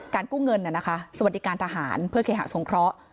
กู้เงินสวัสดิการทหารเพื่อเคหะสงเคราะห์